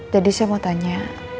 jadi saya mau tanya